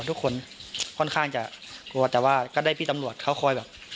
ทุกคนค่อนข้างจะกลัวแต่ว่าก็ได้พี่ตำรวจเขาคอยแบบ